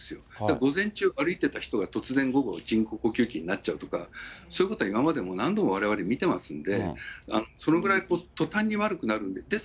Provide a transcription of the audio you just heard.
午前中歩いてた人が突然、午後、人工呼吸器になっちゃうとか、そういうことは今までわれわれ何度も見てますんで、そのぐらい、とたんに悪くなるんです。